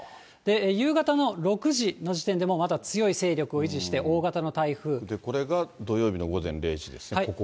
夕方の６時の時点でも、まだ強い勢力を維持して、これが土曜日の午前０時ですね、ここが。